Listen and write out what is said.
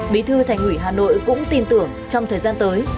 bí thư thành ủy hà nội cũng tin tưởng trong thời gian tới